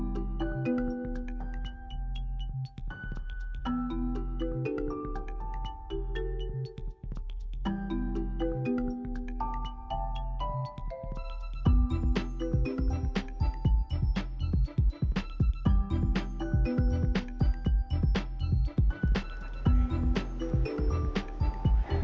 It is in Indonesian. dasar anak tidak tahu diri